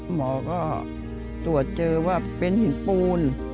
หมอก็ตรวจเจอว่าเป็นหินปูน